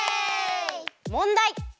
もんだい！